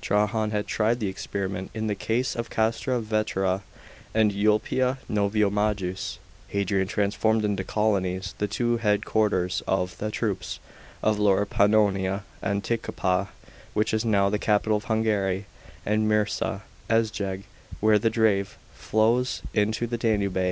Trajan had tried the ex periment in the case of Castra Vetera and Ulpia Noviomagus Hadrian transformed into colonies the two head quarters of the troops of Lower Pannouia, AquinciPTa, which is now the capital of Hungary, and Mursa (Eszeg) where the Drave flows into the Danube.